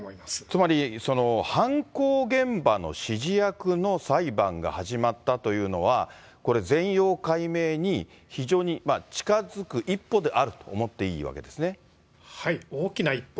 つまり、犯行現場の指示役の裁判が始まったというのは、これ、全容解明に非常に近づく一歩であると思っていいわけですね。